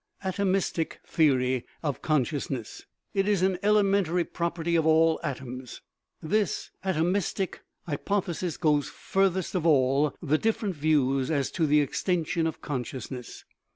Atomistic theory of consciousness, It is an ele mentary property of all atoms. This atomistic hy pothesis goes furthest of all the different views as to the extension of consciousness.